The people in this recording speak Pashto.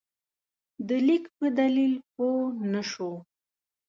د لیک په دلیل پوه نه شو.